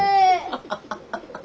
ハハハハハ。